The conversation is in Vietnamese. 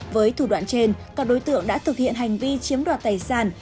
với thủ đoạn trên các đối tượng đã thực hiện hành vi chiếm đoạt tài sản